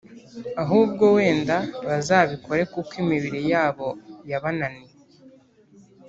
ahubwo “wenda bazabikore kuko imibiri yabo yabananiye”